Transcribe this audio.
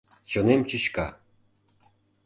Чонем чӱчка.